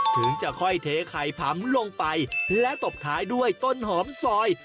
ถึงจะค่อยเทไข่ผำลงไปและตบท้ายด้วยต้นหอมซอย